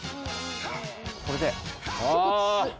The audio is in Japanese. これで。